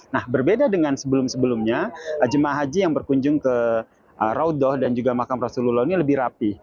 nah berbeda dengan sebelum sebelumnya jemaah haji yang berkunjung ke raudoh dan juga makam rasulullah ini lebih rapi